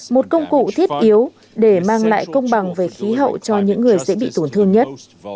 một công cụ thiết yếu để mang lại công bằng về khí hậu cho những người dễ bị tổn thương nhất